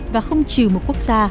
và không trừ một quốc gia